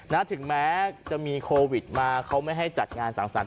ถึงแม้จะมีโควิดมาเขาไม่ให้จัดงานสังสรรค